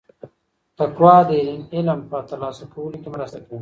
تقوا د علم په ترلاسه کولو کې مرسته کوي.